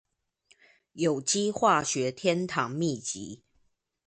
有機化學天堂祕笈